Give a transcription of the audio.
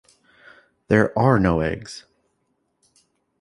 There are no eggs!